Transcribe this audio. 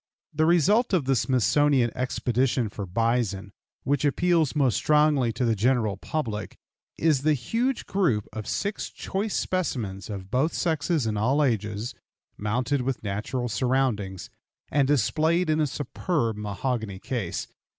The result of the Smithsonian expedition for bison which appeals most strongly to the general public is the huge group of six choice specimens of both sexes and all ages, mounted with natural surroundings, and displayed in a superb mahogany case.